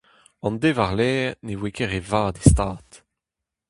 An deiz war-lerc'h ne voe ket re vat e stad.